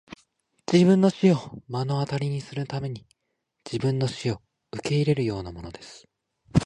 自分の死を目の当たりにするために自分の死を受け入れるようなものです!